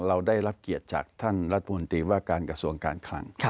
เราได้รับเกียรติจากท่านรัฐมนตรีว่าการกระทรวงการคลัง